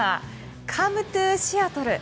「カム・トゥ・シアトル」。